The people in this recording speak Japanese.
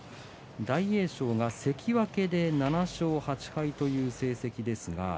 大栄翔が関脇で７勝８敗という成績ですが。